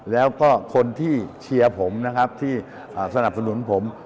แล้วก็คนที่เชียร์ผมนะครับที่สนับสนุนผม